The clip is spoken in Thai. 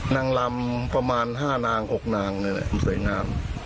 นั่งรำประมาณ๕๖นางเลยสวยงาม